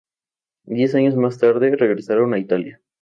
Diez años más tarde, regresaron a Italia.